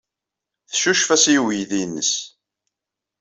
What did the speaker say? Teccucef-as i uydi-nnes.